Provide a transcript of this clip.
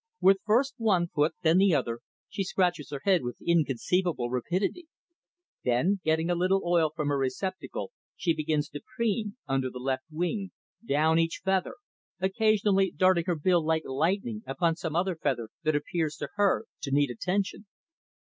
With first one foot, then the other, she scratches her head with inconceivable rapidity. Then, getting a little oil from her receptacle, she begins to preen; under the left wing, down each feather, occasionally darting her bill like lightning upon some other feather that appears to her to need attention.